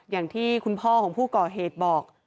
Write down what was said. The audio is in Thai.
อย่างที่คุณพ่อของผู้ก่อเหตุบอก